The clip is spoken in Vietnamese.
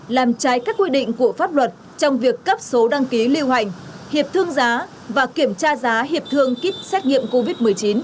làm trái các quy định của pháp luật trong việc cấp số đăng ký lưu hành hiệp thương giá và kiểm tra giá hiệp thương kit xét nghiệm covid một mươi chín